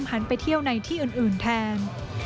หันไปเที่ยวในที่อื่นแทน